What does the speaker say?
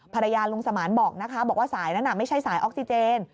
ภรรยาลุงสมานบอกนะคะบอกว่าสายนั้นไม่ใช่สายออกซิเจน